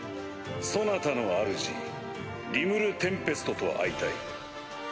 そなたのあるじリムル＝テンペストと会いたい。